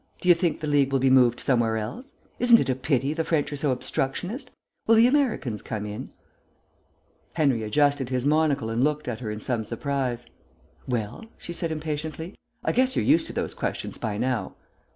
Do you think the League will be moved somewhere else? Isn't it a real pity the French are so obstructionist? Will the Americans come in?" Henry adjusted his monocle and looked at her in some surprise. "Well," she said impatiently, "I guess you're used to those questions by now."